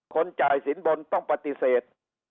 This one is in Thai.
คนจ่ายสินบนต้องปฏิเสธ